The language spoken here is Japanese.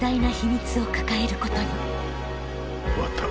終わった。